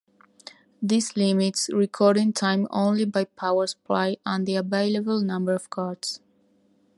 This limits recording time only by power supply and the available number of cards.